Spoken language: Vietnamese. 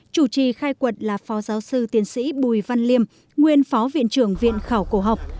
chủ trì khai quật là phó giáo sư tiến sĩ bùi văn liêm nguyên phó viện trưởng viện khảo cổ học